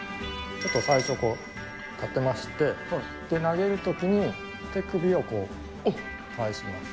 最初こう立てまして、投げるときに手首をこう返します。